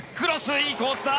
いいコースだ！